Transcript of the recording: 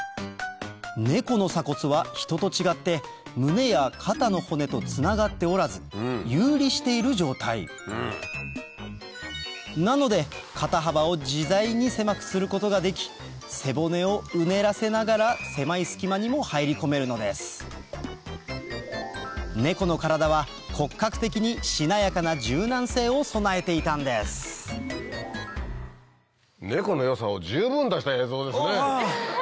ネコの鎖骨はヒトと違って胸や肩の骨とつながっておらず遊離している状態なので肩幅を自在に狭くすることができ背骨をうねらせながら狭い隙間にも入り込めるのですネコの体は骨格的にしなやかな柔軟性を備えていたんですネコの良さを十分出した映像ですね。